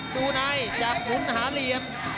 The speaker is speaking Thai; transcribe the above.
ดูในจับหนุนหาเหลี่ยม